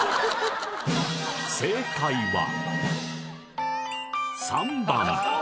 正解は③番。